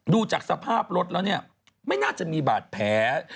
ดูจากสภาพรถแล้วเนี่ยไม่น่าจะมีบาดแผล